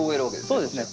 そうですね。